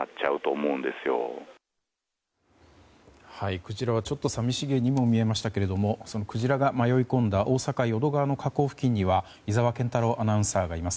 こちらはちょっと寂しげにも見えましたがそのクジラが迷い込んだ大阪・淀川の河口付近には井澤健太朗アナウンサーがいます。